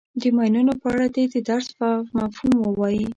د ماینونو په اړه دې د درس مفهوم ووایي.